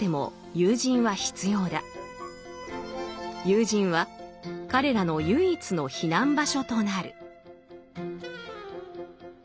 友人は彼らの唯一の避難場所となる。